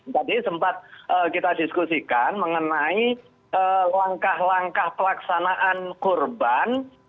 tadi sempat kita diskusikan mengenai langkah langkah pelaksanaan kurban